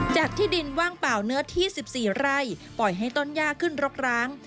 ที่ดินว่างเปล่าเนื้อที่๑๔ไร่ปล่อยให้ต้นย่าขึ้นรกร้าง